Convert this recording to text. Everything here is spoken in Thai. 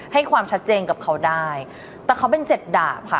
ให้ความชัดเจนกับเขาได้แต่เขาเป็นเจ็ดดาบค่ะ